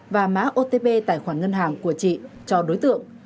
và mã otp tài khoản ngân hàng của chị cho đối tượng